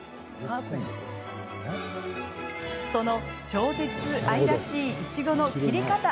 その超絶愛らしいいちごの切り方